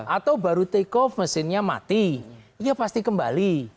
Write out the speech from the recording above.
atau baru take off mesinnya mati ya pasti kembali